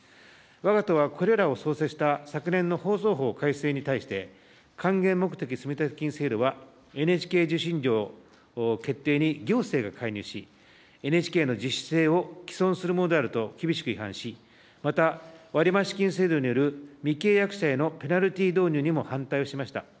わが党はこれらを創設した昨年の放送法改正に対して、還元目的積立金制度はＮＨＫ受信料決定に行政が介入し、ＮＨＫの自主性を毀損するものであると厳しく批判し、また割増金制度による未契約者へのペナルティー導入にも反対をしました。